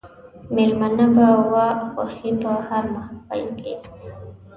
مېلمنه به وه خوښي په هر محل کښي